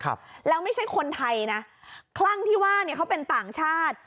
ครับแล้วไม่ใช่คนไทยนะคลั่งที่ว่าเนี่ยเขาเป็นต่างชาติ